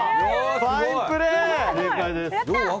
正解です。